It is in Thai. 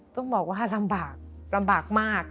ต้องบอกว่าลำบากลำบากมาก